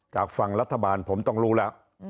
จากฝั่งรัฐบาลผมต้องรู้แล้ว